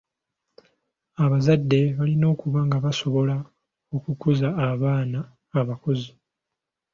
Abazadde balina okuba nga basobola okukuza abaana abakozi.